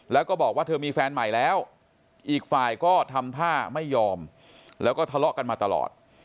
แล้วก็บอกว่าเธอมีแฟนใหม่แล้วอีกฝ่ายก็ทำท่าไม่ยอมแล้วก็ทะเลาะกันมาตลอด